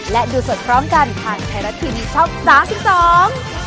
และดูสดพร้อมกันทางไทยรัฐทีวีช่องสามสิบสอง